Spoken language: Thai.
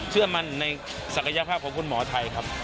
เชื่อมั่นในศักยภาพของคุณหมอไทยครับ